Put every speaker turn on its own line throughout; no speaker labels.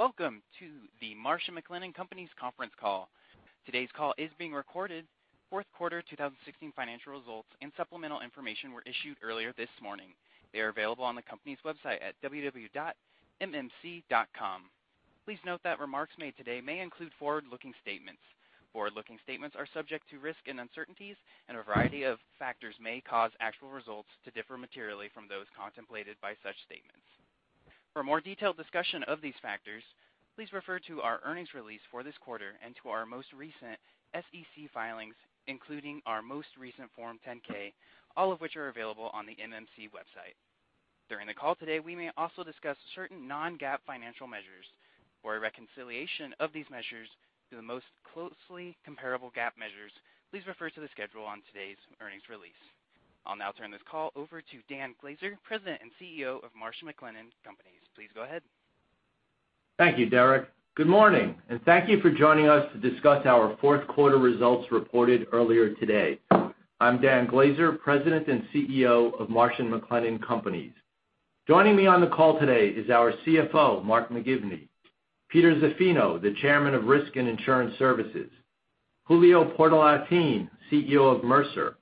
Welcome to the Marsh & McLennan Companies conference call. Today's call is being recorded. Fourth quarter 2016 financial results and supplemental information were issued earlier this morning. They are available on the company's website at www.mmc.com. Please note that remarks made today may include forward-looking statements. Forward-looking statements are subject to risk and uncertainties, and a variety of factors may cause actual results to differ materially from those contemplated by such statements. For more detailed discussion of these factors, please refer to our earnings release for this quarter and to our most recent SEC filings, including our most recent Form 10-K, all of which are available on the MMC website. During the call today, we may also discuss certain non-GAAP financial measures. For a reconciliation of these measures to the most closely comparable GAAP measures, please refer to the schedule on today's earnings release. I'll now turn this call over to Dan Glaser, President and CEO of Marsh & McLennan Companies. Please go ahead.
Thank you, Derek. Good morning, thank you for joining us to discuss our fourth quarter results reported earlier today. I'm Dan Glaser, President and CEO of Marsh & McLennan Companies. Joining me on the call today is our CFO, Mark McGivney, Peter Zaffino, the Chairman of Risk and Insurance Services, Julio Portalatin, CEO of Mercer,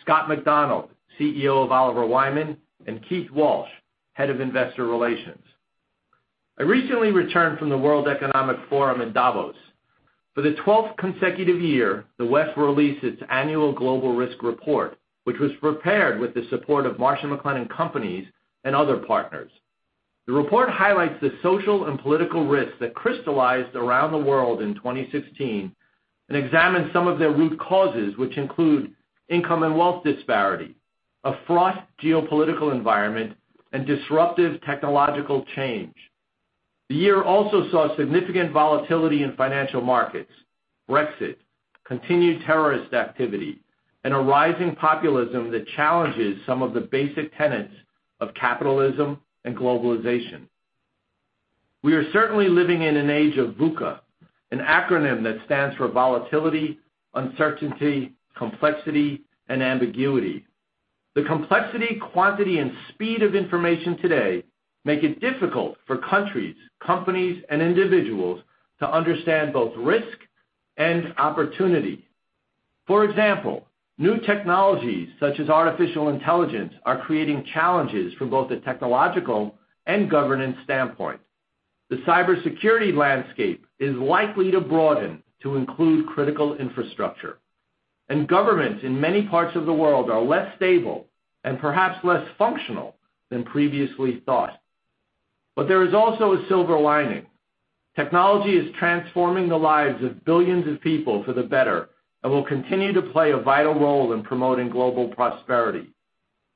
Scott McDonald, CEO of Oliver Wyman, and Keith Walsh, Head of Investor Relations. I recently returned from the World Economic Forum in Davos. For the 12th consecutive year, the WEF released its annual global risk report, which was prepared with the support of Marsh & McLennan Companies and other partners. The report highlights the social and political risks that crystallized around the world in 2016 and examines some of their root causes, which include income and wealth disparity, a fraught geopolitical environment, and disruptive technological change. The year also saw significant volatility in financial markets, Brexit, continued terrorist activity, and a rising populism that challenges some of the basic tenets of capitalism and globalization. We are certainly living in an age of VUCA, an acronym that stands for volatility, uncertainty, complexity, and ambiguity. The complexity, quantity, and speed of information today make it difficult for countries, companies, and individuals to understand both risk and opportunity. For example, new technologies such as artificial intelligence are creating challenges from both a technological and governance standpoint. The cybersecurity landscape is likely to broaden to include critical infrastructure, governments in many parts of the world are less stable and perhaps less functional than previously thought. There is also a silver lining. Technology is transforming the lives of billions of people for the better and will continue to play a vital role in promoting global prosperity.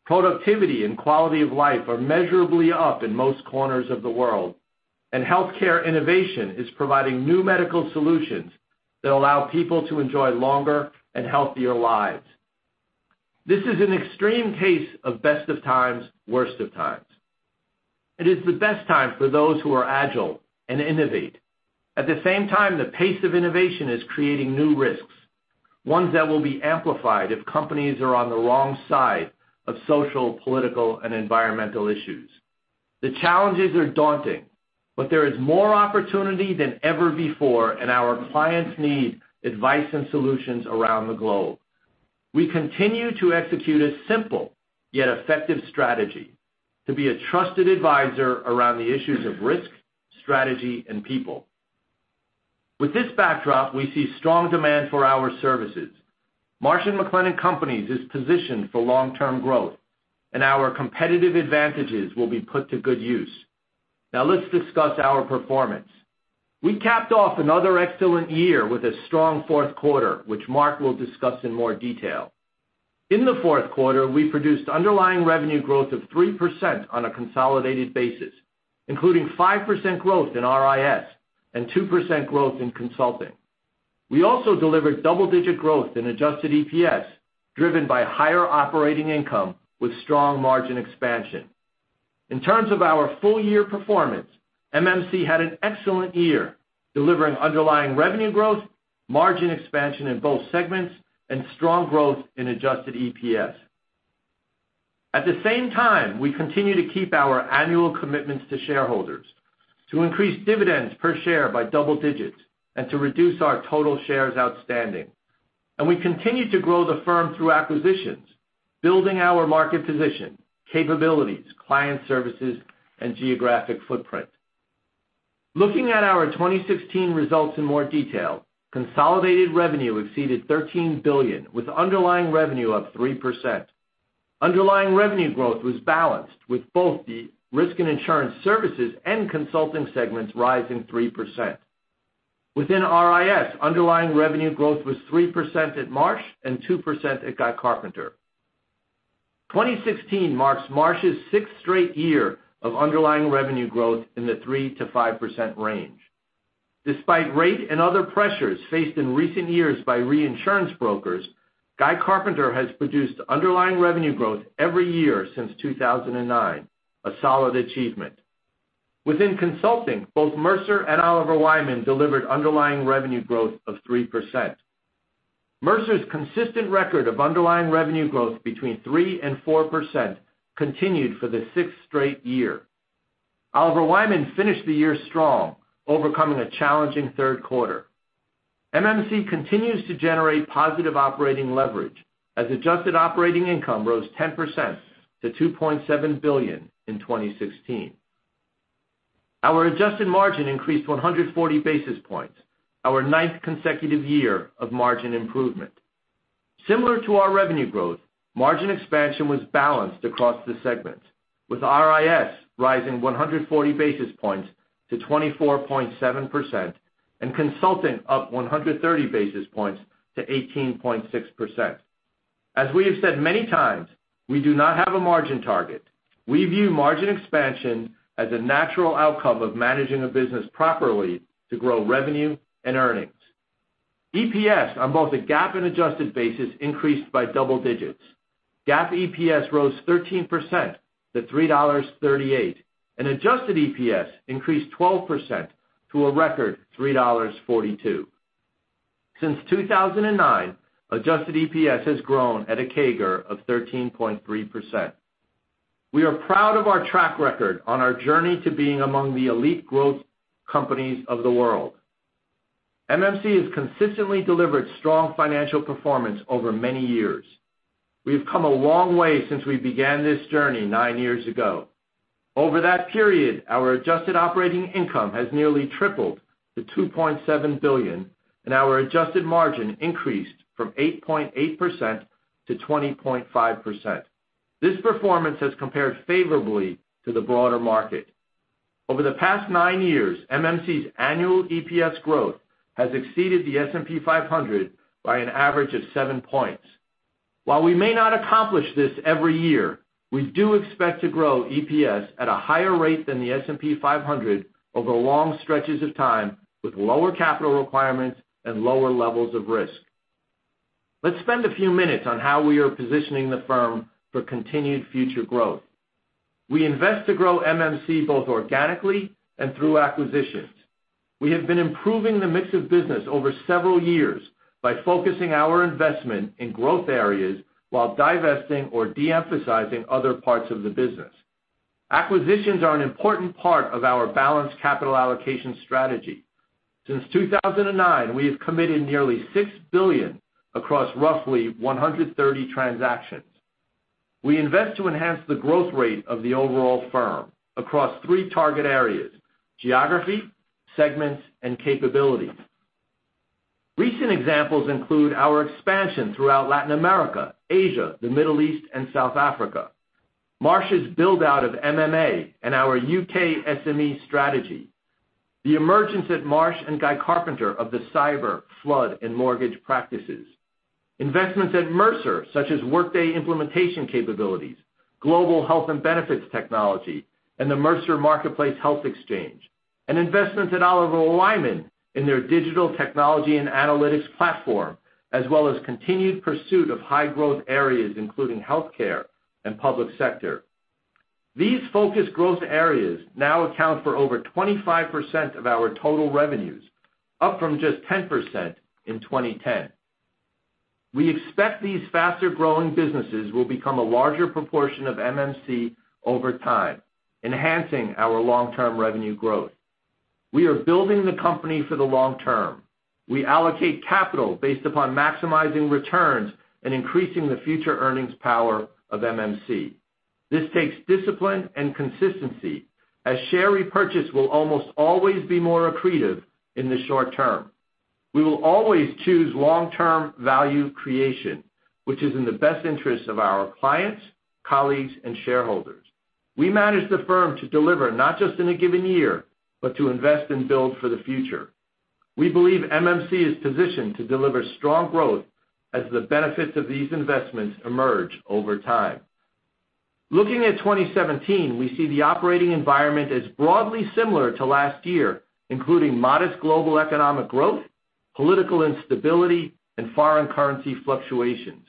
Productivity and quality of life are measurably up in most corners of the world, healthcare innovation is providing new medical solutions that allow people to enjoy longer and healthier lives. This is an extreme case of best of times, worst of times. It is the best time for those who are agile and innovate. At the same time, the pace of innovation is creating new risks, ones that will be amplified if companies are on the wrong side of social, political, and environmental issues. The challenges are daunting, but there is more opportunity than ever before, our clients need advice and solutions around the globe. We continue to execute a simple, yet effective strategy: to be a trusted advisor around the issues of risk, strategy, and people. With this backdrop, we see strong demand for our services. Marsh & McLennan Companies is positioned for long-term growth, our competitive advantages will be put to good use. Now let's discuss our performance. We capped off another excellent year with a strong fourth quarter, which Mark will discuss in more detail. In the fourth quarter, we produced underlying revenue growth of 3% on a consolidated basis, including 5% growth in RIS and 2% growth in consulting. We also delivered double-digit growth in adjusted EPS, driven by higher operating income with strong margin expansion. At the same time, we continue to keep our annual commitments to shareholders to increase dividends per share by double digits and to reduce our total shares outstanding. We continue to grow the firm through acquisitions, building our market position, capabilities, client services, and geographic footprint. Looking at our 2016 results in more detail, consolidated revenue exceeded $13 billion, with underlying revenue up 3%. Underlying revenue growth was balanced, with both the Risk & Insurance Services and consulting segments rising 3%. Within RIS, underlying revenue growth was 3% at Marsh and 2% at Guy Carpenter. 2016 marks Marsh's sixth straight year of underlying revenue growth in the 3%-5% range. Despite rate and other pressures faced in recent years by reinsurance brokers, Guy Carpenter has produced underlying revenue growth every year since 2009, a solid achievement. Within consulting, both Mercer and Oliver Wyman delivered underlying revenue growth of 3%. Mercer's consistent record of underlying revenue growth between 3% and 4% continued for the sixth straight year. Oliver Wyman finished the year strong, overcoming a challenging third quarter. MMC continues to generate positive operating leverage as adjusted operating income rose 10% to $2.7 billion in 2016. Our adjusted margin increased 140 basis points, our ninth consecutive year of margin improvement. Similar to our revenue growth, margin expansion was balanced across the segments, with RIS rising 140 basis points to 24.7% and consulting up 130 basis points to 18.6%. As we have said many times, we do not have a margin target. We view margin expansion as a natural outcome of managing a business properly to grow revenue and earnings. EPS on both a GAAP and adjusted basis increased by double digits. GAAP EPS rose 13% to $3.38, adjusted EPS increased 12% to a record $3.42. Since 2009, adjusted EPS has grown at a CAGR of 13.3%. We are proud of our track record on our journey to being among the elite growth companies of the world. MMC has consistently delivered strong financial performance over many years. We have come a long way since we began this journey nine years ago. Over that period, our adjusted operating income has nearly tripled to $2.7 billion, and our adjusted margin increased from 8.8% to 20.5%. This performance has compared favorably to the broader market. Over the past nine years, MMC's annual EPS growth has exceeded the S&P 500 by an average of seven points. While we may not accomplish this every year, we do expect to grow EPS at a higher rate than the S&P 500 over long stretches of time with lower capital requirements and lower levels of risk. Let's spend a few minutes on how we are positioning the firm for continued future growth. We invest to grow MMC both organically and through acquisitions. We have been improving the mix of business over several years by focusing our investment in growth areas while divesting or de-emphasizing other parts of the business. Acquisitions are an important part of our balanced capital allocation strategy. Since 2009, we have committed nearly $6 billion across roughly 130 transactions. We invest to enhance the growth rate of the overall firm across three target areas, geography, segments, and capabilities. Recent examples include our expansion throughout Latin America, Asia, the Middle East, and South Africa. Marsh's build-out of MMA and our U.K. SME strategy. The emergence at Marsh & Guy Carpenter of the cyber flood and mortgage practices. Investments at Mercer such as Workday implementation capabilities, global health and benefits technology, and the Mercer Marketplace Health Exchange. Investments at Oliver Wyman in their digital technology and analytics platform, as well as continued pursuit of high-growth areas, including healthcare and public sector. These focus growth areas now account for over 25% of our total revenues, up from just 10% in 2010. We expect these faster-growing businesses will become a larger proportion of MMC over time, enhancing our long-term revenue growth. We are building the company for the long term. We allocate capital based upon maximizing returns and increasing the future earnings power of MMC. This takes discipline and consistency as share repurchase will almost always be more accretive in the short term. We will always choose long-term value creation, which is in the best interest of our clients, colleagues, and shareholders. We manage the firm to deliver not just in a given year, but to invest and build for the future. We believe MMC is positioned to deliver strong growth as the benefits of these investments emerge over time. Looking at 2017, we see the operating environment as broadly similar to last year, including modest global economic growth, political instability, and foreign currency fluctuations.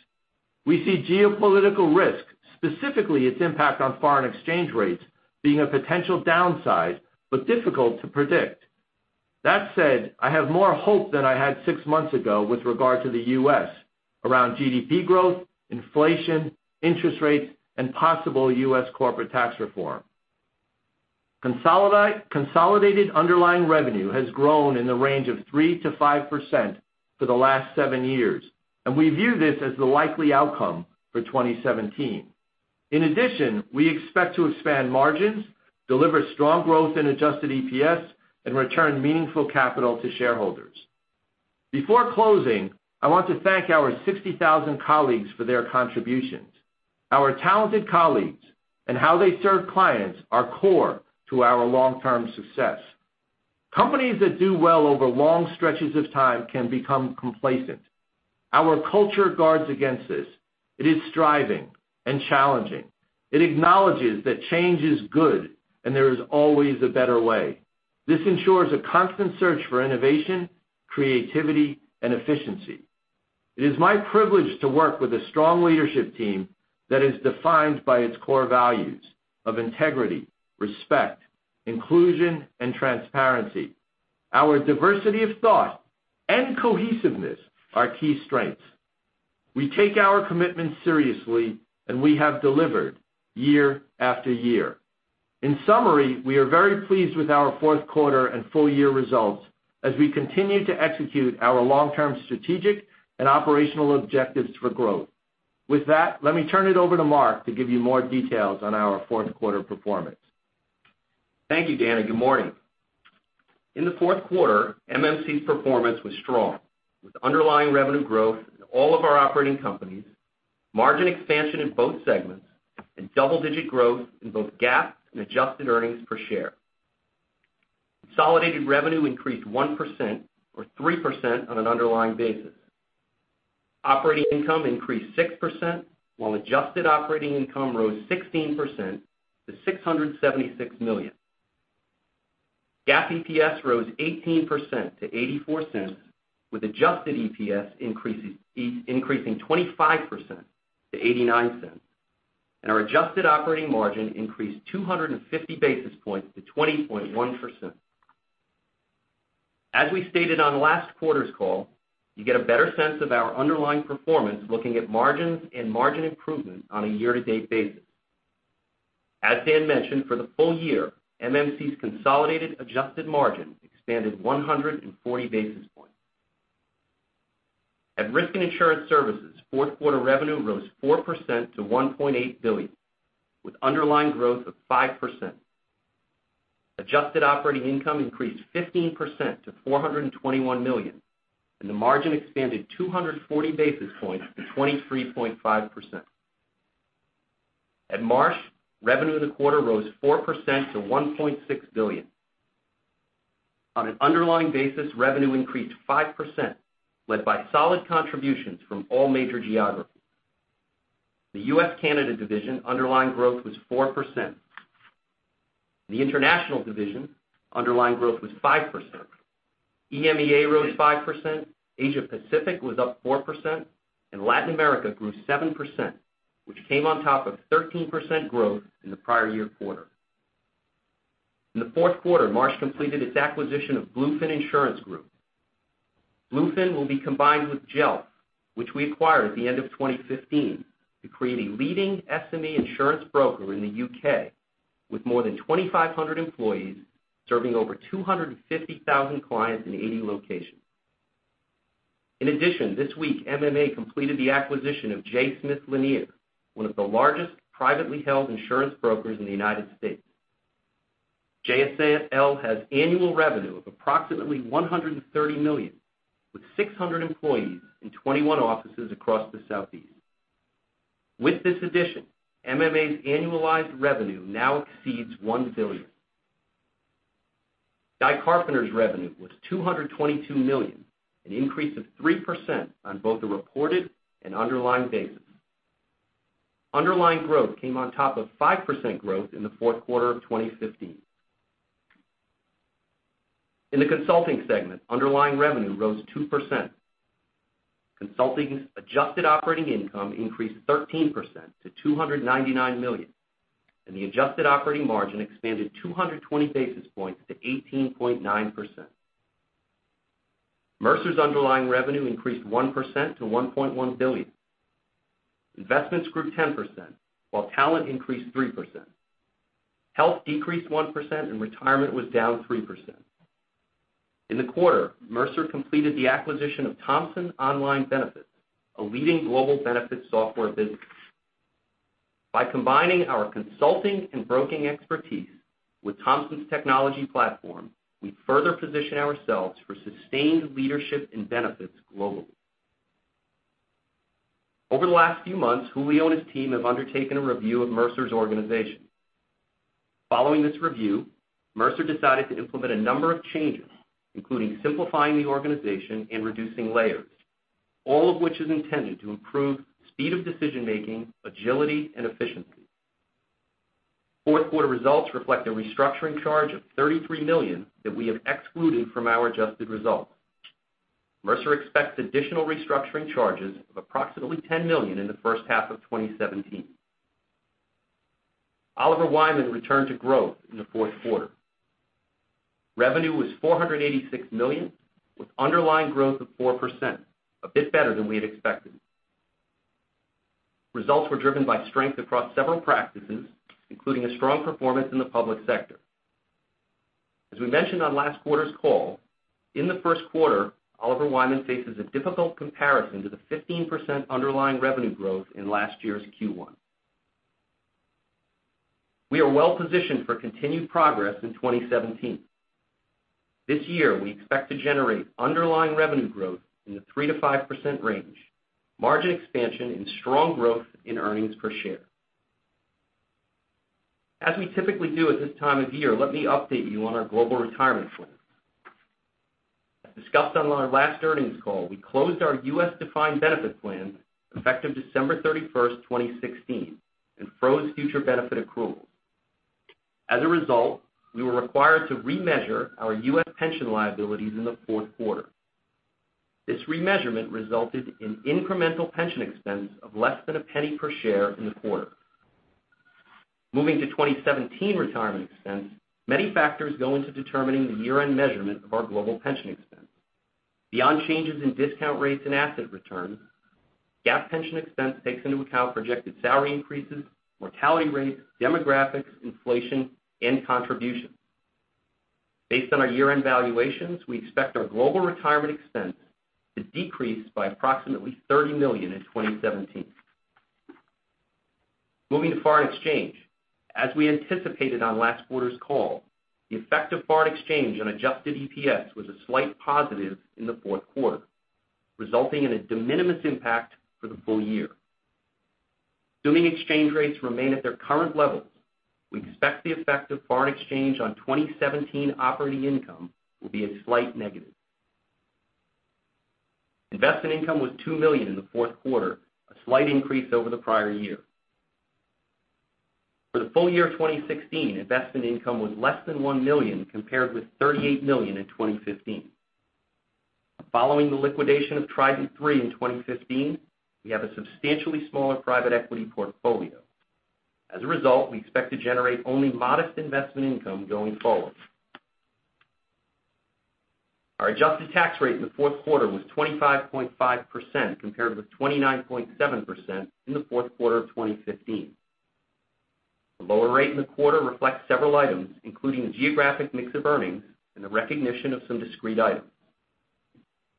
We see geopolitical risk, specifically its impact on foreign exchange rates, being a potential downside, but difficult to predict. That said, I have more hope than I had six months ago with regard to the U.S. around GDP growth, inflation, interest rates, and possible U.S. corporate tax reform. Consolidated underlying revenue has grown in the range of 3%-5% for the last seven years, and we view this as the likely outcome for 2017. In addition, we expect to expand margins, deliver strong growth in adjusted EPS, and return meaningful capital to shareholders. Before closing, I want to thank our 60,000 colleagues for their contributions. Our talented colleagues and how they serve clients are core to our long-term success. Companies that do well over long stretches of time can become complacent. Our culture guards against this. It is striving and challenging. It acknowledges that change is good and there is always a better way. This ensures a constant search for innovation, creativity, and efficiency. It is my privilege to work with a strong leadership team that is defined by its core values of integrity, respect, inclusion, and transparency. Our diversity of thought and cohesiveness are key strengths. We take our commitment seriously. We have delivered year after year. In summary, we are very pleased with our fourth quarter and full year results as we continue to execute our long-term strategic and operational objectives for growth. With that, let me turn it over to Mark to give you more details on our fourth quarter performance.
Thank you, Dan, and good morning. In the fourth quarter, MMC's performance was strong, with underlying revenue growth in all of our operating companies, margin expansion in both segments, and double-digit growth in both GAAP and adjusted EPS. Consolidated revenue increased 1%, or 3% on an underlying basis. Operating income increased 6%, while adjusted operating income rose 16% to $676 million. GAAP EPS rose 18% to $0.84, with adjusted EPS increasing 25% to $0.89. Our adjusted operating margin increased 250 basis points to 20.1%. As we stated on last quarter's call, you get a better sense of our underlying performance looking at margins and margin improvement on a year-to-date basis. As Dan mentioned, for the full year, MMC's consolidated adjusted margin expanded 140 basis points. At Risk & Insurance Services, fourth quarter revenue rose 4% to $1.8 billion, with underlying growth of 5%. Adjusted operating income increased 15% to $421 million. The margin expanded 240 basis points to 23.5%. At Marsh, revenue in the quarter rose 4% to $1.6 billion. On an underlying basis, revenue increased 5%, led by solid contributions from all major geographies. The U.S./Canada division underlying growth was 4%. The international division underlying growth was 5%. EMEA rose 5%, Asia Pacific was up 4%. Latin America grew 7%, which came on top of 13% growth in the prior year quarter. In the fourth quarter, Marsh completed its acquisition of Bluefin Insurance Group. Bluefin will be combined with Jelf, which we acquired at the end of 2015 to create a leading SME insurance broker in the U.K. with more than 2,500 employees serving over 250,000 clients in 80 locations. In addition, this week, MMA completed the acquisition of J. Smith Lanier, one of the largest privately held insurance brokers in the U.S. JSL has annual revenue of approximately $130 million, with 600 employees in 21 offices across the Southeast. With this addition, MMA's annualized revenue now exceeds $1 billion. Guy Carpenter's revenue was $222 million, an increase of 3% on both a reported and underlying basis. Underlying growth came on top of 5% growth in the fourth quarter of 2015. In the Consulting segment, underlying revenue rose 2%. Consulting's adjusted operating income increased 13% to $299 million. The adjusted operating margin expanded 220 basis points to 18.9%. Mercer's underlying revenue increased 1% to $1.1 billion. Investments grew 10%, while talent increased 3%. Health decreased 1%. Retirement was down 3%. In the quarter, Mercer completed the acquisition of Thomsons Online Benefits, a leading global benefits software business. By combining our consulting and broking expertise with Thomsons' technology platform, we further position ourselves for sustained leadership in benefits globally. Over the last few months, Julio and his team have undertaken a review of Mercer's organization. Following this review, Mercer decided to implement a number of changes, including simplifying the organization and reducing layers, all of which is intended to improve speed of decision-making, agility, and efficiency. Fourth quarter results reflect a restructuring charge of $33 million that we have excluded from our adjusted results. Mercer expects additional restructuring charges of approximately $10 million in the first half of 2017. Oliver Wyman returned to growth in the fourth quarter. Revenue was $486 million, with underlying growth of 4%, a bit better than we had expected. Results were driven by strength across several practices, including a strong performance in the public sector. As we mentioned on last quarter's call, in the first quarter, Oliver Wyman faces a difficult comparison to the 15% underlying revenue growth in last year's Q1. We are well-positioned for continued progress in 2017. This year, we expect to generate underlying revenue growth in the 3%-5% range, margin expansion, and strong growth in earnings per share. As we typically do at this time of year, let me update you on our global retirement plan. As discussed on our last earnings call, we closed our U.S. defined benefit plan effective December 31st, 2016, and froze future benefit accrual. As a result, we were required to remeasure our U.S. pension liabilities in the fourth quarter. This remeasurement resulted in incremental pension expense of less than $0.01 per share in the quarter. Moving to 2017 retirement expense, many factors go into determining the year-end measurement of our global pension expense. Beyond changes in discount rates and asset returns, GAAP pension expense takes into account projected salary increases, mortality rates, demographics, inflation, and contributions. Based on our year-end valuations, we expect our global retirement expense to decrease by approximately $30 million in 2017. Moving to foreign exchange, as we anticipated on last quarter's call, the effect of foreign exchange on adjusted EPS was a slight positive in the fourth quarter, resulting in a de minimis impact for the full year. Assuming exchange rates remain at their current levels, we expect the effect of foreign exchange on 2017 operating income will be a slight negative. Investment income was $2 million in the fourth quarter, a slight increase over the prior year. For the full year of 2016, investment income was less than $1 million, compared with $38 million in 2015. Following the liquidation of Trident III in 2015, we have a substantially smaller private equity portfolio. As a result, we expect to generate only modest investment income going forward. Our adjusted tax rate in the fourth quarter was 25.5%, compared with 29.7% in the fourth quarter of 2015. The lower rate in the quarter reflects several items, including the geographic mix of earnings and the recognition of some discrete items.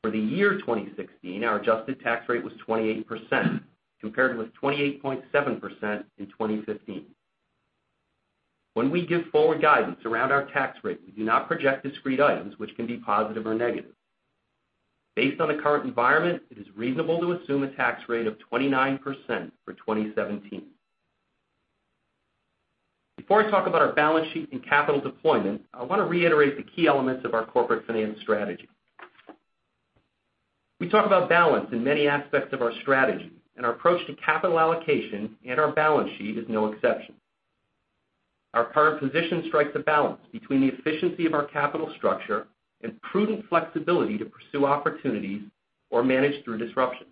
For the year 2016, our adjusted tax rate was 28%, compared with 28.7% in 2015. When we give forward guidance around our tax rate, we do not project discrete items which can be positive or negative. Based on the current environment, it is reasonable to assume a tax rate of 29% for 2017. Before I talk about our balance sheet and capital deployment, I want to reiterate the key elements of our corporate finance strategy. We talk about balance in many aspects of our strategy, and our approach to capital allocation and our balance sheet is no exception. Our current position strikes a balance between the efficiency of our capital structure and prudent flexibility to pursue opportunities or manage through disruption.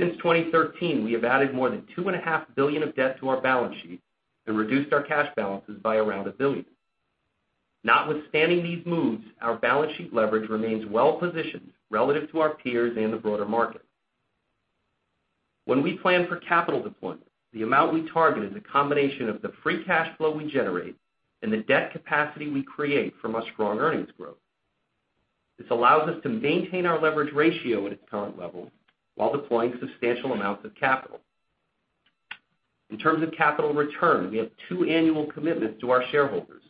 Since 2013, we have added more than $2.5 billion of debt to our balance sheet and reduced our cash balances by around $1 billion. Notwithstanding these moves, our balance sheet leverage remains well-positioned relative to our peers and the broader market. When we plan for capital deployment, the amount we target is a combination of the free cash flow we generate and the debt capacity we create from our strong earnings growth. This allows us to maintain our leverage ratio at its current level while deploying substantial amounts of capital. In terms of capital return, we have two annual commitments to our shareholders.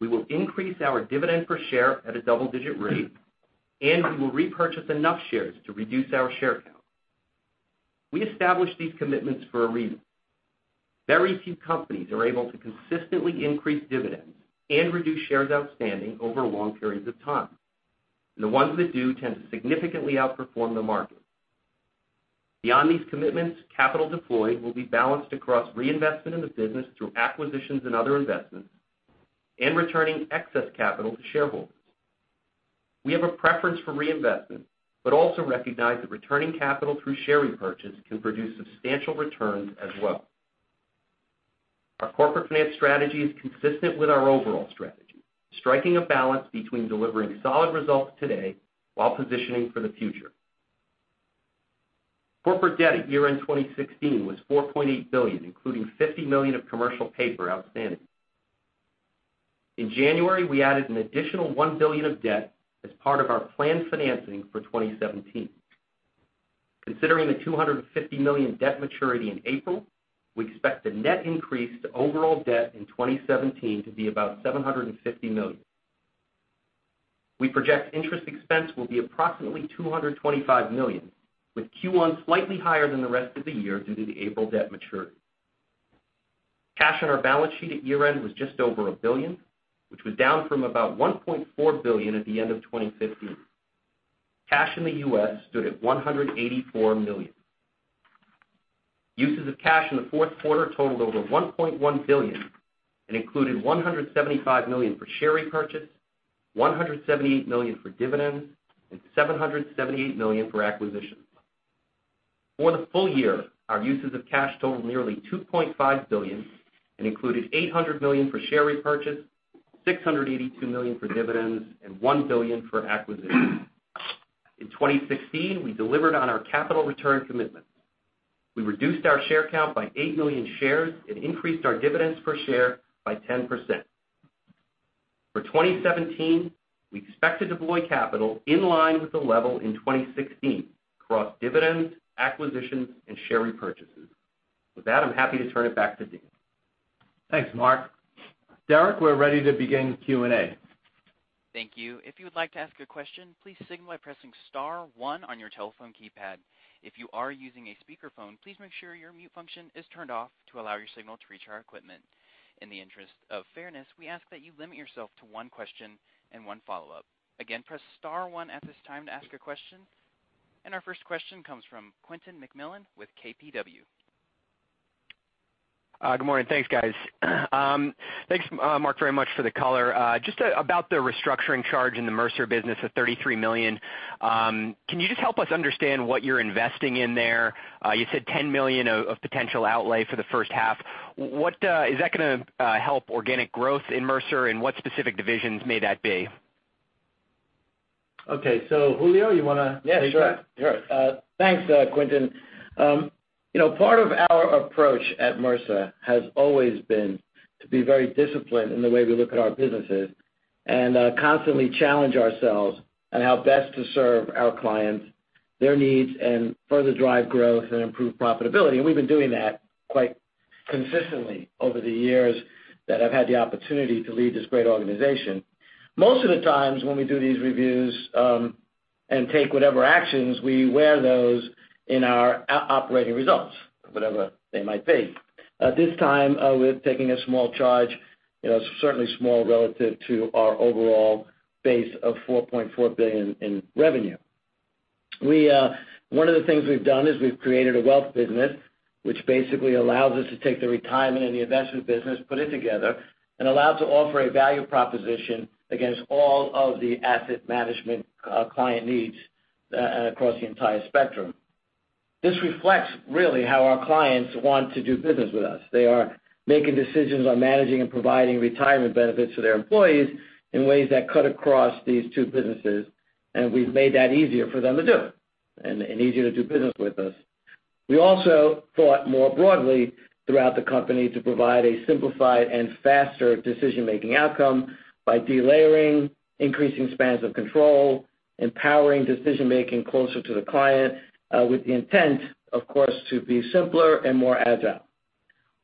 We will increase our dividend per share at a double-digit rate, and we will repurchase enough shares to reduce our share count. We established these commitments for a reason. Very few companies are able to consistently increase dividends and reduce shares outstanding over long periods of time. The ones that do tend to significantly outperform the market. Beyond these commitments, capital deployed will be balanced across reinvestment in the business through acquisitions and other investments and returning excess capital to shareholders. We have a preference for reinvestment but also recognize that returning capital through share repurchase can produce substantial returns as well. Our corporate finance strategy is consistent with our overall strategy, striking a balance between delivering solid results today while positioning for the future. Corporate debt at year-end 2016 was $4.8 billion, including $50 million of commercial paper outstanding. In January, we added an additional $1 billion of debt as part of our planned financing for 2017. Considering the $250 million debt maturity in April, we expect the net increase to overall debt in 2017 to be about $750 million. We project interest expense will be approximately $225 million, with Q1 slightly higher than the rest of the year due to the April debt maturity. Cash on our balance sheet at year-end was just over $1 billion, which was down from about $1.4 billion at the end of 2015. Cash in the U.S. stood at $184 million. Uses of cash in the fourth quarter totaled over $1.1 billion and included $175 million for share repurchase, $178 million for dividends, and $778 million for acquisitions. For the full year, our uses of cash totaled nearly $2.5 billion and included $800 million for share repurchase, $682 million for dividends, and $1 billion for acquisitions. In 2016, we delivered on our capital return commitments. We reduced our share count by 8 million shares and increased our dividends per share by 10%. For 2017, we expect to deploy capital in line with the level in 2016 across dividends, acquisitions, and share repurchases. With that, I'm happy to turn it back to Dan.
Thanks, Mark. Derek, we're ready to begin Q&A.
Thank you. If you would like to ask a question, please signal by pressing *1 on your telephone keypad. If you are using a speakerphone, please make sure your mute function is turned off to allow your signal to reach our equipment. In the interest of fairness, we ask that you limit yourself to one question and one follow-up. Again, press *1 at this time to ask a question. Our first question comes from Quentin McMillan with KBW.
Good morning. Thanks, guys. Thanks, Mark, very much for the color. Just about the restructuring charge in the Mercer business of $33 million, can you just help us understand what you're investing in there? You said $10 million of potential outlay for the first half. Is that going to help organic growth in Mercer, and what specific divisions may that be?
Okay. Julio, you want to take that?
Yeah, sure. Thanks, Quentin. Part of our approach at Mercer has always been to be very disciplined in the way we look at our businesses and constantly challenge ourselves on how best to serve our clients, their needs, and further drive growth and improve profitability. We've been doing that quite consistently over the years that I've had the opportunity to lead this great organization. Most of the times when we do these reviews, and take whatever actions, we wear those in our operating results, whatever they might be. This time, we're taking a small charge, certainly small relative to our overall base of $4.4 billion in revenue. One of the things we've done is we've created a wealth business, which basically allows us to take the retirement and the investment business, put it together, and allow to offer a value proposition against all of the asset management client needs across the entire spectrum. This reflects really how our clients want to do business with us. They are making decisions on managing and providing retirement benefits to their employees in ways that cut across these two businesses, and we've made that easier for them to do, and easier to do business with us. We also thought more broadly throughout the company to provide a simplified and faster decision-making outcome by delayering, increasing spans of control, empowering decision-making closer to the client, with the intent, of course, to be simpler and more agile.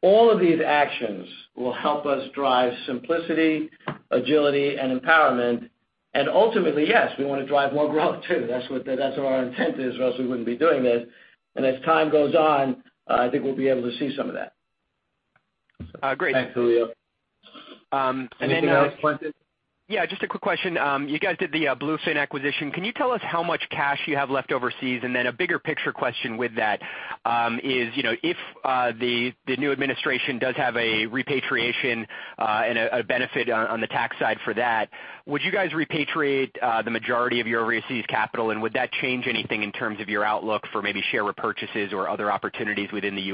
All of these actions will help us drive simplicity, agility, and empowerment. Ultimately, yes, we want to drive more growth, too. That's what our intent is, or else we wouldn't be doing this. As time goes on, I think we'll be able to see some of that.
Great.
Thanks, Julio. Anything else, Quentin?
Just a quick question. You guys did the Bluefin acquisition. Can you tell us how much cash you have left overseas? A bigger picture question with that is, if the new administration does have a repatriation and a benefit on the tax side for that, would you guys repatriate the majority of your overseas capital, and would that change anything in terms of your outlook for maybe share repurchases or other opportunities within the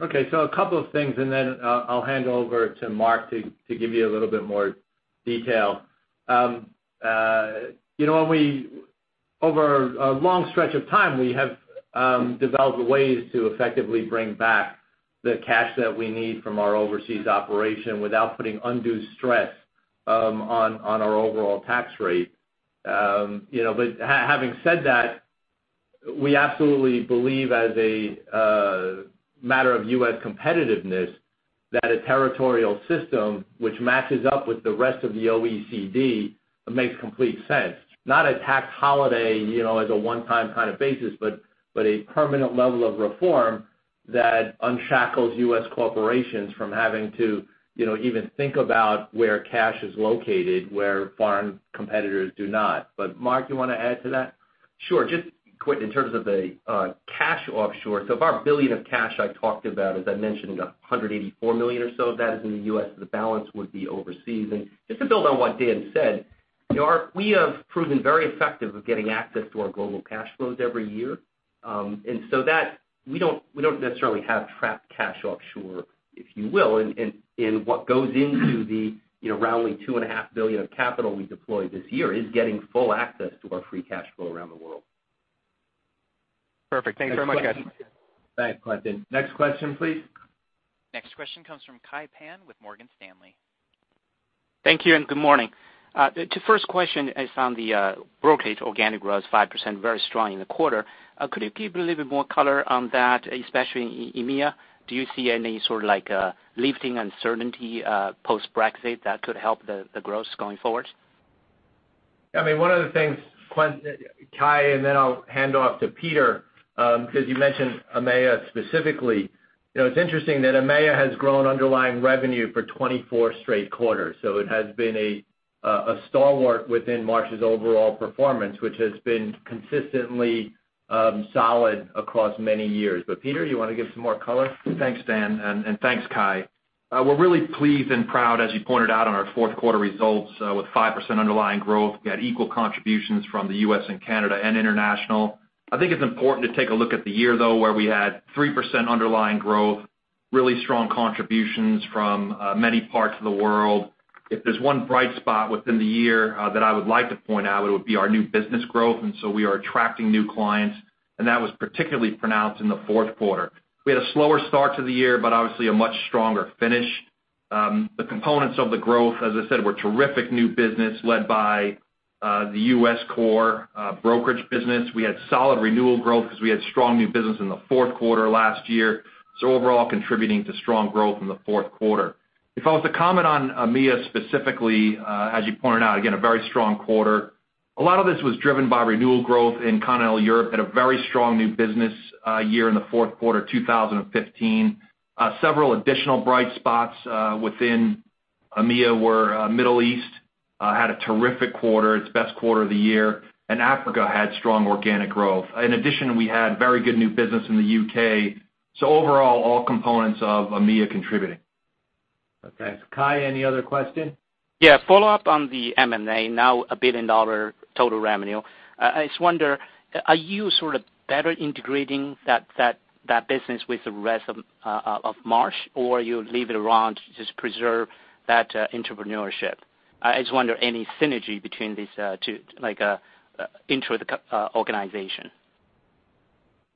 U.S.?
A couple of things, and then I'll hand over to Mark to give you a little bit more detail. Over a long stretch of time, we have developed ways to effectively bring back the cash that we need from our overseas operation without putting undue stress on our overall tax rate. Having said that, we absolutely believe as a matter of U.S. competitiveness that a territorial system which matches up with the rest of the OECD makes complete sense. Not a tax holiday, as a one-time kind of basis, but a permanent level of reform that unshackles U.S. corporations from having to even think about where cash is located, where foreign competitors do not. Mark, you want to add to that?
In terms of the cash offshore, of our $1 billion of cash I talked about, as I mentioned, $184 million or so of that is in the U.S., the balance would be overseas. Just to build on what Dan said, we have proven very effective of getting access to our global cash flows every year. We don't necessarily have trapped cash offshore, if you will, in what goes into the roundly $2.5 billion of capital we deployed this year is getting full access to our free cash flow around the world.
Perfect. Thanks very much, guys.
Thanks, Quentin. Next question, please.
Next question comes from Kai Pan with Morgan Stanley.
Thank you. Good morning. The first question is on the brokerage organic growth, 5%, very strong in the quarter. Could you give a little bit more color on that, especially in EMEA? Do you see any sort of lifting uncertainty, post-Brexit that could help the growth going forward?
One of the things, Kai. Then I'll hand off to Peter, because you mentioned EMEA specifically. It's interesting that EMEA has grown underlying revenue for 24 straight quarters. It has been a stalwart within Marsh's overall performance, which has been consistently solid across many years. Peter, you want to give some more color?
Thanks, Dan, and thanks, Kai. We're really pleased and proud, as you pointed out, on our fourth quarter results with 5% underlying growth. We had equal contributions from the U.S. and Canada and international. I think it's important to take a look at the year, though, where we had 3% underlying growth, really strong contributions from many parts of the world. If there's one bright spot within the year that I would like to point out, it would be our new business growth. So we are attracting new clients, and that was particularly pronounced in the fourth quarter. We had a slower start to the year, but obviously a much stronger finish. The components of the growth, as I said, were terrific new business led by the U.S. core brokerage business. We had solid renewal growth because we had strong new business in the fourth quarter last year, so overall contributing to strong growth in the fourth quarter. If I was to comment on IMEA specifically, as you pointed out, again, a very strong quarter. A lot of this was driven by renewal growth in Continental Europe, had a very strong new business year in the fourth quarter 2015. Several additional bright spots within IMEA, where Middle East had a terrific quarter, its best quarter of the year, and Africa had strong organic growth. In addition, we had very good new business in the U.K. Overall, all components of IMEA contributed.
Okay. Kai, any other question?
Yeah. Follow-up on the MMA, now a billion-dollar total revenue. I just wonder, are you sort of better integrating that business with the rest of Marsh, or you leave it around to just preserve that entrepreneurship? I just wonder any synergy between these two, like intra-the organization.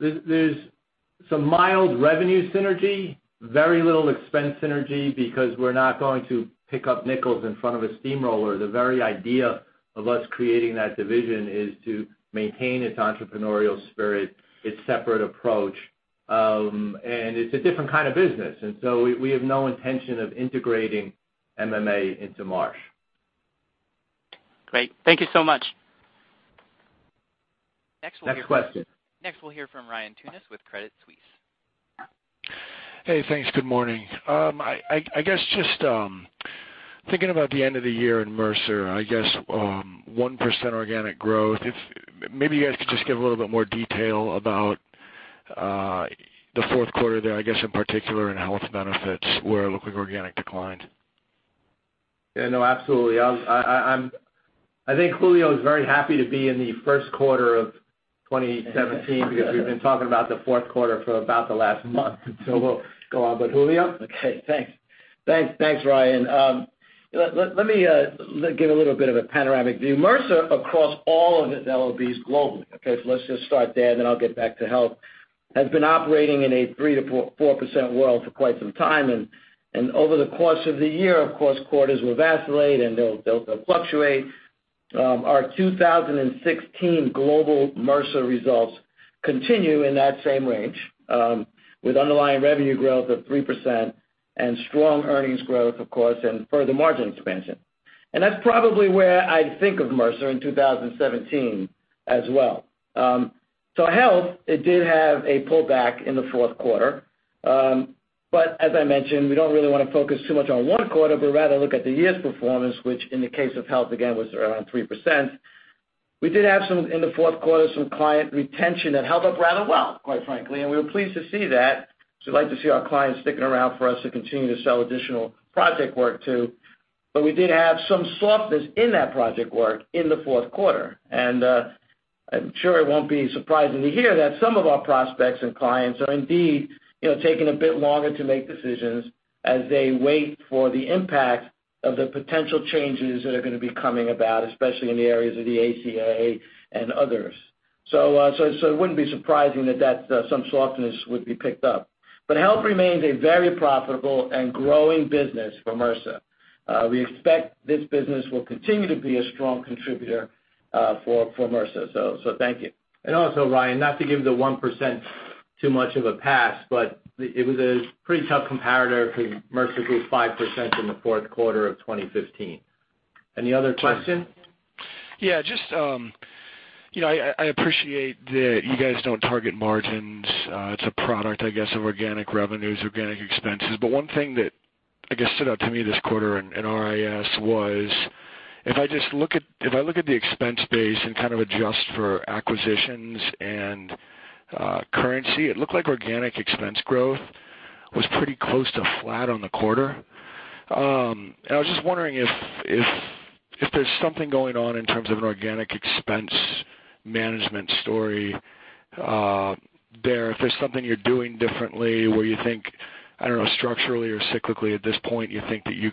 There's some mild revenue synergy, very little expense synergy, because we're not going to pick up nickels in front of a steamroller. The very idea of us creating that division is to maintain its entrepreneurial spirit, its separate approach. It's a different kind of business. We have no intention of integrating MMA into Marsh.
Great. Thank you so much.
Next question.
Next, we'll hear from Ryan Tunis with Credit Suisse.
Hey, thanks. Good morning. I guess just thinking about the end of the year in Mercer, I guess 1% organic growth. Maybe you guys could just give a little bit more detail about the fourth quarter there, I guess in particular in health benefits, where it looked like organic declined.
Yeah, no, absolutely. I think Julio is very happy to be in the first quarter of 2017 because we've been talking about the fourth quarter for about the last month. We'll go on. Julio?
Okay, thanks, Ryan. Let me give a little bit of a panoramic view. Mercer, across all of its LOBs globally, okay, let's just start there, I'll get back to health, has been operating in a 3%-4% world for quite some time. Over the course of the year, of course, quarters will vacillate and they'll fluctuate. Our 2016 global Mercer results continue in that same range, with underlying revenue growth of 3% and strong earnings growth, of course, and further margin expansion. That's probably where I'd think of Mercer in 2017 as well. Health, it did have a pullback in the fourth quarter. As I mentioned, we don't really want to focus too much on one quarter, but rather look at the year's performance, which in the case of health, again, was around 3%. We did have, in the fourth quarter, some client retention that held up rather well, quite frankly, and we were pleased to see that. We like to see our clients sticking around for us to continue to sell additional project work to. We did have some softness in that project work in the fourth quarter. I'm sure it won't be surprising to hear that some of our prospects and clients are indeed taking a bit longer to make decisions as they wait for the impact of the potential changes that are going to be coming about, especially in the areas of the ACA and others. It wouldn't be surprising that some softness would be picked up. Health remains a very profitable and growing business for Mercer. We expect this business will continue to be a strong contributor for Mercer, thank you.
Also, Ryan, not to give the 1% too much of a pass, it was a pretty tough comparator because Mercer grew 5% in the fourth quarter of 2015. Any other question?
Yeah. I appreciate that you guys don't target margins. It's a product, I guess, of organic revenues, organic expenses. One thing that I guess stood out to me this quarter in RIS was, if I look at the expense base and kind of adjust for acquisitions and currency, it looked like organic expense growth was pretty close to flat on the quarter. I was just wondering if there's something going on in terms of an organic expense management story there, if there's something you're doing differently where you think, I don't know, structurally or cyclically at this point, you think that you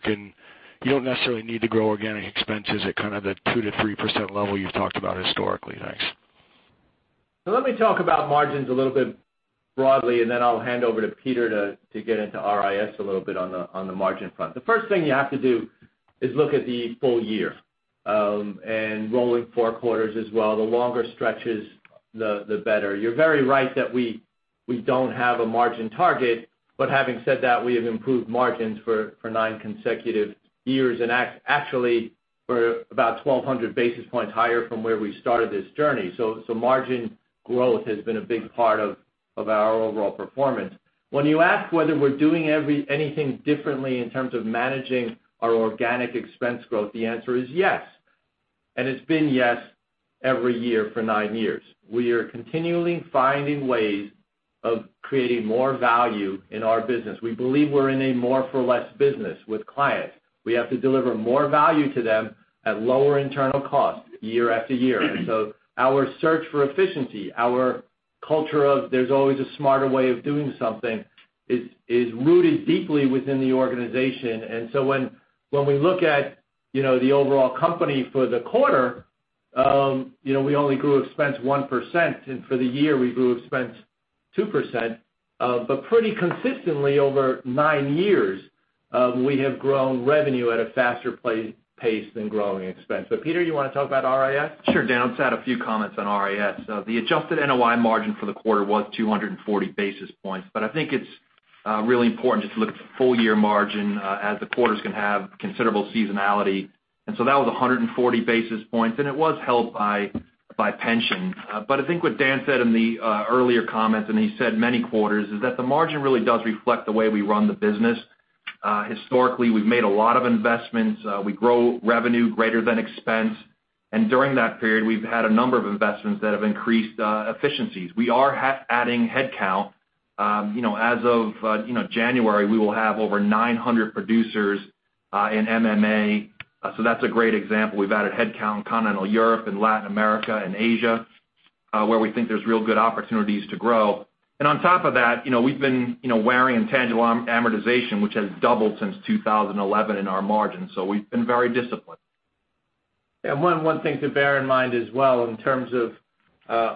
don't necessarily need to grow organic expenses at kind of the 2%-3% level you've talked about historically. Thanks.
Let me talk about margins a little bit broadly, then I'll hand over to Peter to get into RIS a little bit on the margin front. The first thing you have to do is look at the full year, and rolling four quarters as well. The longer stretches, the better. You're very right that we don't have a margin target, but having said that, we have improved margins for nine consecutive years. Actually, we're about 1,200 basis points higher from where we started this journey. Margin growth has been a big part of our overall performance. When you ask whether we're doing anything differently in terms of managing our organic expense growth, the answer is yes. It's been yes every year for nine years. We are continually finding ways of creating more value in our business. We believe we're in a more-for-less business with clients. We have to deliver more value to them at lower internal costs year after year. Our search for efficiency, our culture of there's always a smarter way of doing something, is rooted deeply within the organization. When we look at the overall company for the quarter, we only grew expense 1%, and for the year, we grew expense 2%. Pretty consistently over nine years, we have grown revenue at a faster pace than growing expense. Peter, you want to talk about RIS?
Sure, Dan. I'll just add a few comments on RIS. The adjusted NOI margin for the quarter was 240 basis points, I think it's really important just to look at the full-year margin, as the quarters can have considerable seasonality That was 140 basis points, and it was helped by pension. I think what Dan said in the earlier comments, and he said many quarters, is that the margin really does reflect the way we run the business. Historically, we've made a lot of investments. We grow revenue greater than expense. During that period, we've had a number of investments that have increased efficiencies. We are adding headcount. As of January, we will have over 900 producers in MMA. That's a great example. We've added headcount in Continental Europe and Latin America and Asia, where we think there's real good opportunities to grow. On top of that, we've been wearing intangible amortization, which has doubled since 2011 in our margins. We've been very disciplined.
Yeah. One thing to bear in mind as well in terms of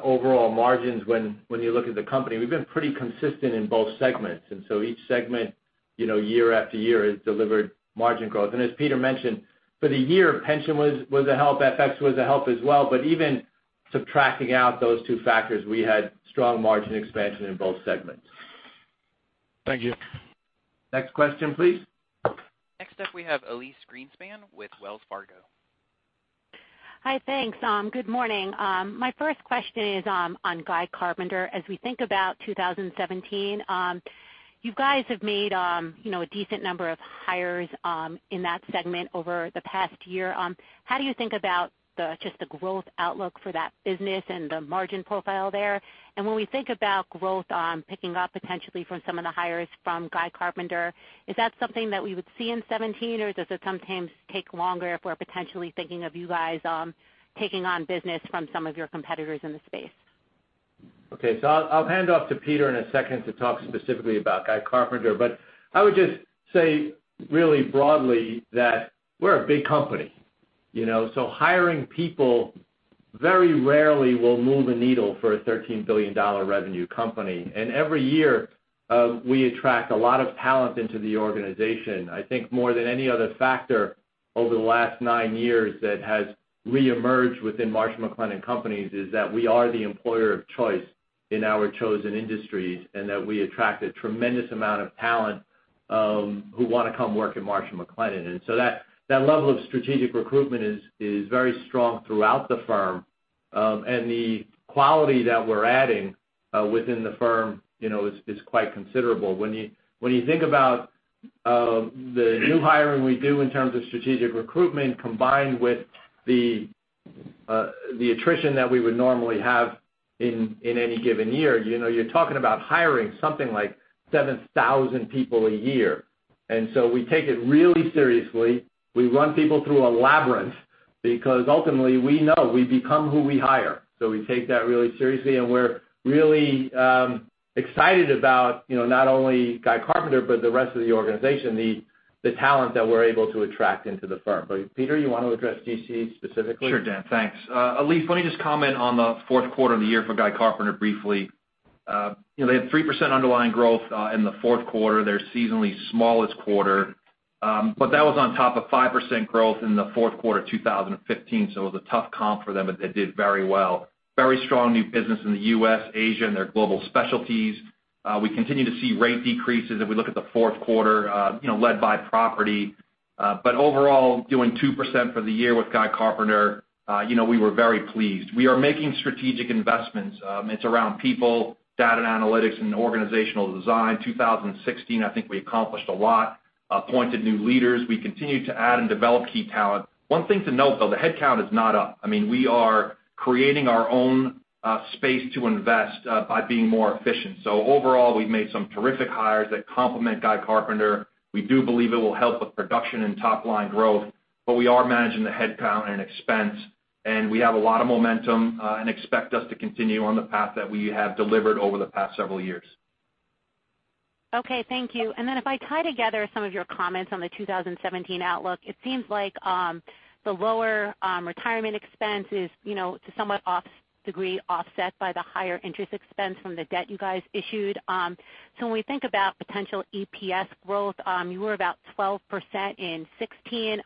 overall margins when you look at the company, we've been pretty consistent in both segments. Each segment year after year has delivered margin growth. As Peter mentioned, for the year, pension was a help, FX was a help as well, even subtracting out those two factors, we had strong margin expansion in both segments.
Thank you.
Next question, please.
Next up we have Elyse Greenspan with Wells Fargo.
Hi, thanks. Good morning. My first question is on Guy Carpenter. As we think about 2017, you guys have made a decent number of hires in that segment over the past year. How do you think about just the growth outlook for that business and the margin profile there? When we think about growth picking up potentially from some of the hires from Guy Carpenter, is that something that we would see in 2017, or does it sometimes take longer if we're potentially thinking of you guys taking on business from some of your competitors in the space?
I'll hand off to Peter in a second to talk specifically about Guy Carpenter. I would just say really broadly that we're a big company. Hiring people very rarely will move a needle for a $13 billion revenue company. Every year, we attract a lot of talent into the organization. I think more than any other factor over the last nine years that has reemerged within Marsh & McLennan Companies is that we are the employer of choice in our chosen industries, and that we attract a tremendous amount of talent who want to come work at Marsh & McLennan. That level of strategic recruitment is very strong throughout the firm. The quality that we're adding within the firm is quite considerable. When you think about the new hiring we do in terms of strategic recruitment, combined with the attrition that we would normally have in any given year, you're talking about hiring something like 7,000 people a year. We take it really seriously. We run people through a labyrinth because ultimately we know we become who we hire. We take that really seriously, and we're really excited about not only Guy Carpenter, but the rest of the organization, the talent that we're able to attract into the firm. Peter, you want to address GC specifically?
Sure, Dan, thanks. Elyse, let me just comment on the fourth quarter of the year for Guy Carpenter briefly. They had 3% underlying growth in the fourth quarter, their seasonally smallest quarter. That was on top of 5% growth in the fourth quarter 2015. It was a tough comp for them, but they did very well. Very strong new business in the U.S., Asia, and their global specialties. We continue to see rate decreases if we look at the fourth quarter led by property. Overall, doing 2% for the year with Guy Carpenter, we were very pleased. We are making strategic investments. It's around people, data and analytics, and organizational design. 2016, I think we accomplished a lot. Appointed new leaders. We continue to add and develop key talent. One thing to note, though, the headcount is not up. We are creating our own space to invest by being more efficient. Overall, we've made some terrific hires that complement Guy Carpenter. We do believe it will help with production and top-line growth, but we are managing the headcount and expense, and we have a lot of momentum, and expect us to continue on the path that we have delivered over the past several years.
Okay, thank you. If I tie together some of your comments on the 2017 outlook, it seems like the lower retirement expense is to some degree offset by the higher interest expense from the debt you guys issued. When we think about potential EPS growth, you were about 12% in 2016.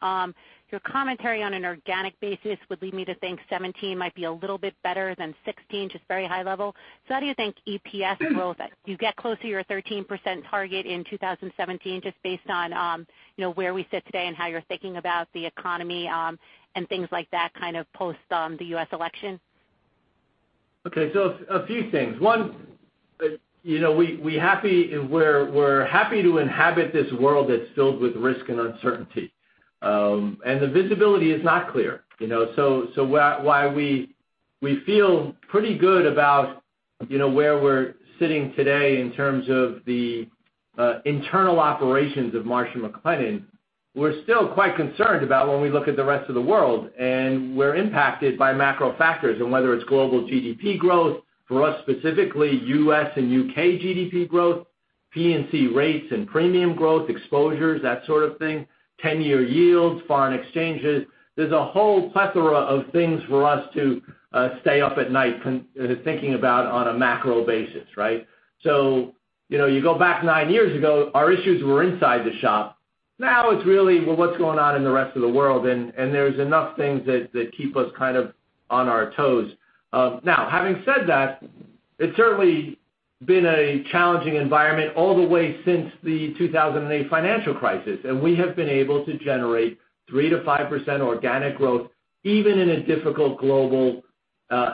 Your commentary on an organic basis would lead me to think 2017 might be a little bit better than 2016, just very high level. How do you think EPS growth, do you get closer to your 13% target in 2017, just based on where we sit today and how you're thinking about the economy, and things like that kind of post the U.S. election?
Okay. A few things. One, we're happy to inhabit this world that's filled with risk and uncertainty. The visibility is not clear. While we feel pretty good about where we're sitting today in terms of the internal operations of Marsh & McLennan, we're still quite concerned about when we look at the rest of the world. We're impacted by macro factors and whether it's global GDP growth, for us specifically, U.S. and U.K. GDP growth, P&C rates and premium growth exposures, that sort of thing, 10-year yields, foreign exchanges. There's a whole plethora of things for us to stay up at night thinking about on a macro basis, right? You go back nine years ago, our issues were inside the shop. Now it's really what's going on in the rest of the world, and there's enough things that keep us kind of on our toes. Having said that It's certainly been a challenging environment all the way since the 2008 financial crisis, and we have been able to generate 3%-5% organic growth even in a difficult global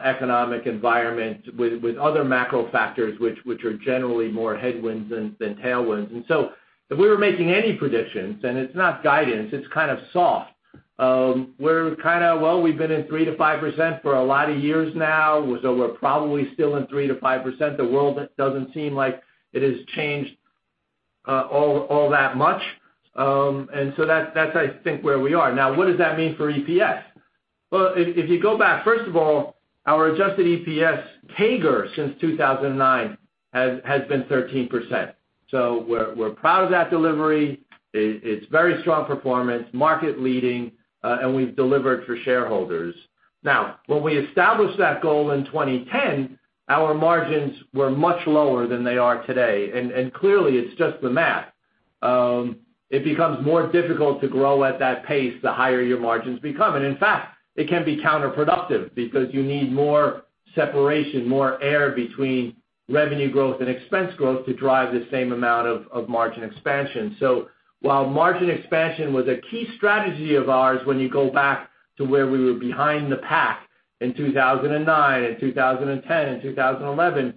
economic environment with other macro factors which are generally more headwinds than tailwinds. If we were making any predictions, and it's not guidance, it's kind of soft. We're kind of, we've been in 3%-5% for a lot of years now, so we're probably still in 3%-5%. The world doesn't seem like it has changed all that much. That's, I think, where we are. What does that mean for EPS? If you go back, first of all, our adjusted EPS CAGR since 2009 has been 13%. We're proud of that delivery. It's very strong performance, market leading, and we've delivered for shareholders. When we established that goal in 2010, our margins were much lower than they are today. Clearly, it's just the math. It becomes more difficult to grow at that pace the higher your margins become. In fact, it can be counterproductive because you need more separation, more air between revenue growth and expense growth to drive the same amount of margin expansion. While margin expansion was a key strategy of ours when you go back to where we were behind the pack in 2009 and 2010 and 2011,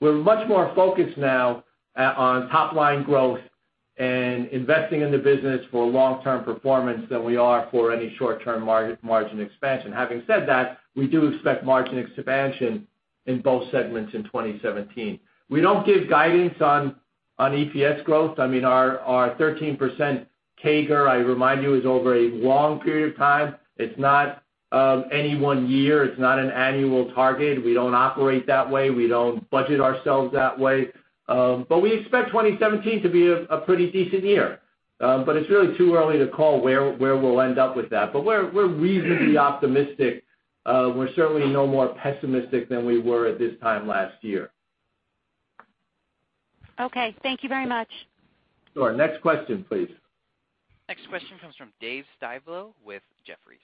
we're much more focused now on top-line growth and investing in the business for long-term performance than we are for any short-term margin expansion. Having said that, we do expect margin expansion in both segments in 2017. We don't give guidance on EPS growth. Our 13% CAGR, I remind you, is over a long period of time. It's not any one year. It's not an annual target. We don't operate that way. We don't budget ourselves that way. We expect 2017 to be a pretty decent year. It's really too early to call where we'll end up with that. We're reasonably optimistic. We're certainly no more pessimistic than we were at this time last year.
Okay. Thank you very much.
Sure. Next question, please.
Next question comes from Dave Styblo with Jefferies.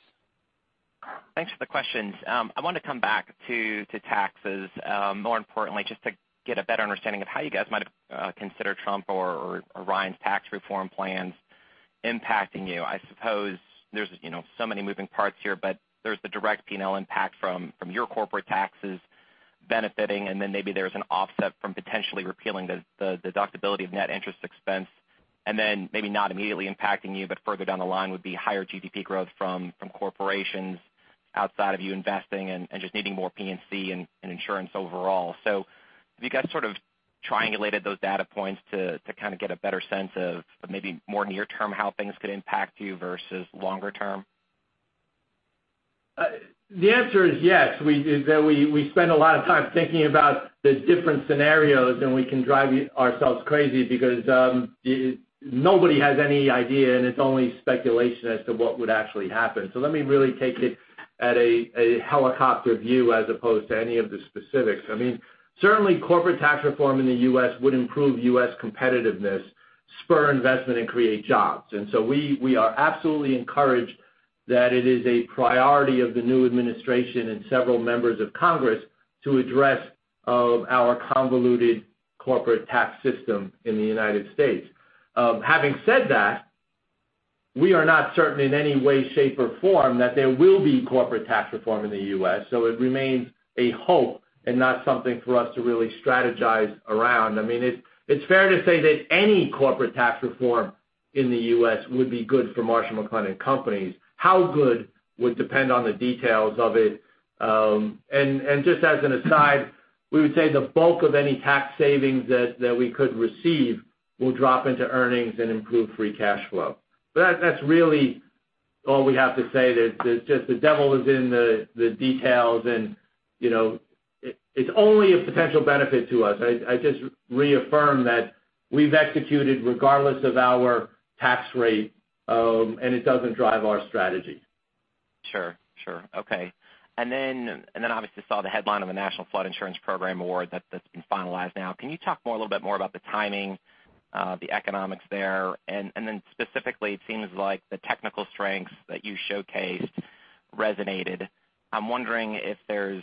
Thanks for the questions. I wanted to come back to taxes. More importantly, just to get a better understanding of how you guys might consider Trump or Ryan's tax reform plans impacting you. I suppose there's so many moving parts here, there's the direct P&L impact from your corporate taxes benefiting, maybe there's an offset from potentially repealing the deductibility of net interest expense, maybe not immediately impacting you, but further down the line would be higher GDP growth from corporations outside of you investing and just needing more P&C and insurance overall. Have you guys sort of triangulated those data points to kind of get a better sense of maybe more near term how things could impact you versus longer term?
The answer is yes. We spend a lot of time thinking about the different scenarios, and we can drive ourselves crazy because nobody has any idea, and it's only speculation as to what would actually happen. Let me really take it at a helicopter view as opposed to any of the specifics. Certainly corporate tax reform in the U.S. would improve U.S. competitiveness, spur investment, and create jobs. We are absolutely encouraged that it is a priority of the new administration and several members of Congress to address our convoluted corporate tax system in the United States. Having said that, we are not certain in any way, shape, or form that there will be corporate tax reform in the U.S., it remains a hope and not something for us to really strategize around. It's fair to say that any corporate tax reform in the U.S. would be good for Marsh & McLennan Companies. How good would depend on the details of it. Just as an aside, we would say the bulk of any tax savings that we could receive will drop into earnings and improve free cash flow. That's really all we have to say. The devil is in the details, and it's only a potential benefit to us. I just reaffirm that we've executed regardless of our tax rate, and it doesn't drive our strategy.
Sure. Okay. Obviously saw the headline of the National Flood Insurance Program award that's been finalized now. Can you talk a little bit more about the timing, the economics there? Specifically, it seems like the technical strengths that you showcased resonated. I'm wondering if there's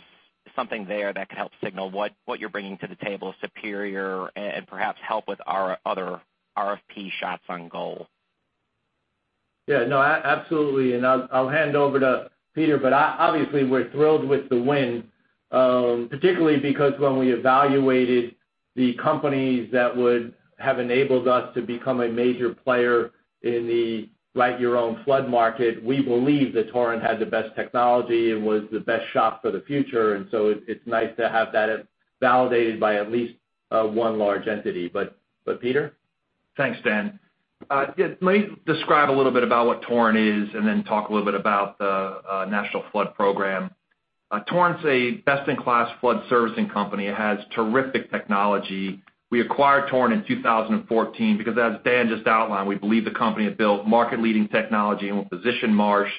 something there that could help signal what you're bringing to the table superior and perhaps help with our other RFP shots on goal.
Yeah. No, absolutely. I'll hand over to Peter, obviously, we're thrilled with the win, particularly because when we evaluated the companies that would have enabled us to become a major player in the write your own flood market, we believe that Torrent had the best technology and was the best shot for the future. It's nice to have that validated by at least one large entity. Peter?
Thanks, Dan. Let me describe a little bit about what Torrent is and then talk a little bit about the National Flood Program. Torrent's a best-in-class flood servicing company. It has terrific technology. We acquired Torrent in 2014 because as Dan just outlined, we believe the company had built market-leading technology and will position Marsh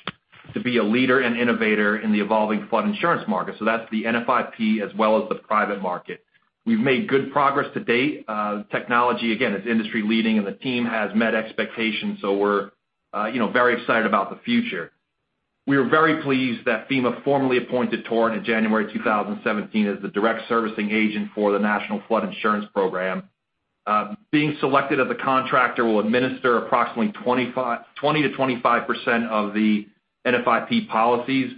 to be a leader and innovator in the evolving flood insurance market. So that's the NFIP as well as the private market. We've made good progress to date. Technology, again, is industry leading, and the team has met expectations, so we're very excited about the future. We are very pleased that FEMA formally appointed Torrent in January 2017 as the direct servicing agent for the National Flood Insurance Program. Being selected as a contractor will administer approximately 20%-25% of the NFIP policies.